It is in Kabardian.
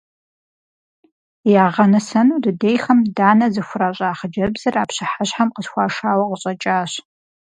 Ягъэнысэну дыдейхэм данэ зыхуращӀа хъыджэбзыр а пщыхьэщхьэм къысхуашауэ къыщӀэкӀащ.